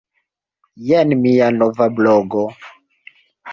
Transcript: Jen mia nova blogo.